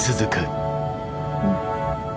うん。